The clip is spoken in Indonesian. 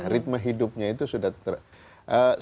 ritme hidupnya itu sudah terkon